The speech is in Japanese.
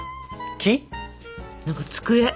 何か机。